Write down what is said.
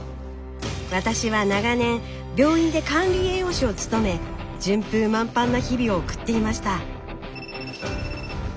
私は長年病院で管理栄養士を務め順風満帆な日々を送っていました。